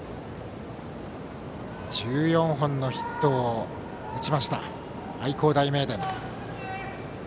１４本のヒットを打ちました愛工大名電。